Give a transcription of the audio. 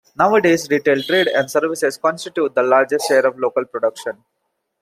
Nowadays retail trade and services constitute the largest share of local production.